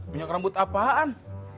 minyak rambut apaan